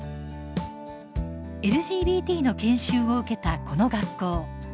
ＬＧＢＴの研修を受けたこの学校。